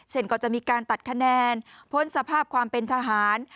เช่นก็จะมีการตัดคะแนนพ้นสภาพความเป็นทหาร